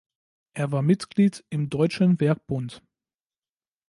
Er war Mitglied im Deutschen Werkbund.